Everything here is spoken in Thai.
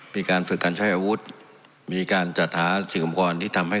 มีการฝึกการใช้อาวุธมีการจัดหาสิ่งอุปกรณ์ที่ทำให้